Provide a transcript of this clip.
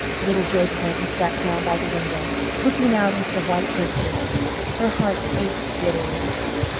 Little Joyce went and sat down by the window, looking out into the white birches. Her heart ached bitterly.